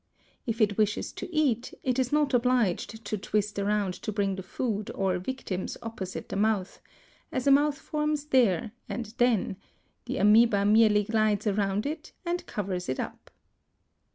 If it wishes to eat, it is not obliged to twist around to bring the food or victims opposite the mouth, as a mouth forms there and then; the Amœba merely glides around it and covers it up.